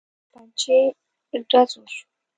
توپنچې ډز وشو.